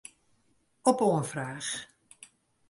Op oanfraach.